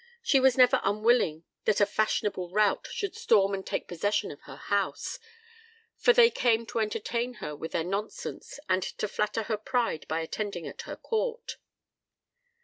She was never unwilling that a fashionable rout should storm and take possession of her house, for they came to entertain her with their nonsense and to flatter her pride by attending at her court.